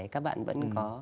các bạn vẫn có